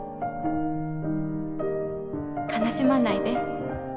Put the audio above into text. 悲しまないで。